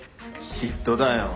嫉妬だよ。